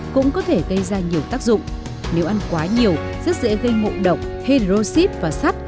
cũng có thể gây ra nhiều tác dụng nếu ăn quá nhiều rất dễ gây mụn động hê rô xíp và sắt